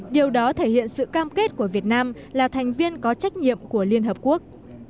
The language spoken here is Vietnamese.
điều đó thể hiện sự cam kết của việt nam là thành viên có trách nhiệm của liên hợp quốc